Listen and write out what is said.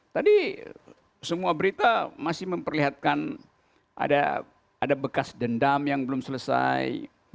tadi semua berita masih memperlihatkan ada bekas dendam yang belum selesai